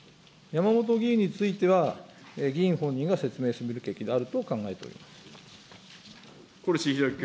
山本議員については、議員本人が説明するべきであると考えて小西洋之君。